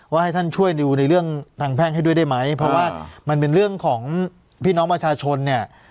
ให้ท่านช่วยดูในเรื่องทางแพ่งให้ด้วยได้ไหมเพราะว่ามันเป็นเรื่องของพี่น้องประชาชนเนี่ย